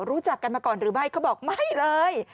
รู้จักกันมาก่อนหรือไม่เขาบอกไม่เลย